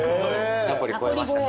ナポリ超えましたか。